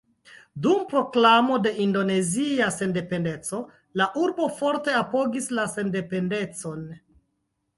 Dum proklamo de indonezia sendependeco la urbo forte apogis la sendependecon.